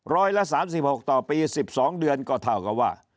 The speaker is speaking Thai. ร้อยละ๓๖ต่อปี๑๒เดือนก็เท่ากับว่า